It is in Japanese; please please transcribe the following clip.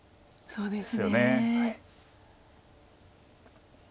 そうです。